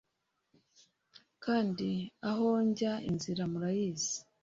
Kandi aho njya inzira murayizi."